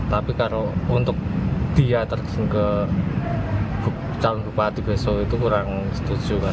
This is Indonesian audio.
tapi kalau untuk dia terjun ke calon bupati besok itu kurang setuju kan